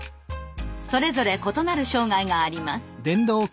それぞれ異なる障害があります。